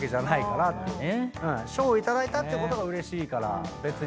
賞を頂いたってことがうれしいから別にいいや。